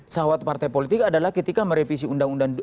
sahawat partai politik adalah ketika merevisi undang undang